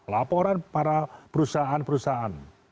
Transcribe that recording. laporan para perusahaan perusahaan